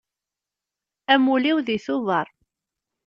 Amulli-iw deg Tuber.